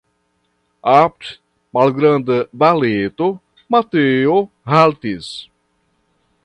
Apud malgranda valeto Mateo haltis.